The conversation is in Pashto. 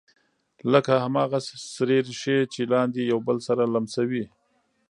لکه هماغه سرې ریښې چې لاندې یو بل سره لمسوي